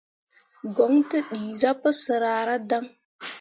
Goŋ tǝ dii zah pǝsǝr ahradaŋ.